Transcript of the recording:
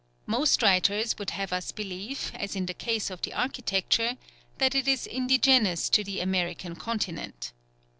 Most writers would have us believe, as in the case of the architecture, that it is indigenous to the American continent.